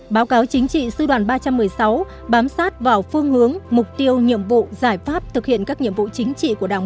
báo cáo chính trị sư đoàn ba trăm một mươi sáu bám sát vào phương hướng mục tiêu nhiệm vụ giải pháp thực hiện các nhiệm vụ chính trị của đảng bộ